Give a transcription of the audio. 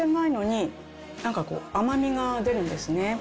なんかこう甘みが出るんですね。